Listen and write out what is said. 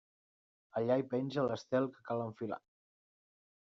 Allà hi penja l'estel que cal enfilar.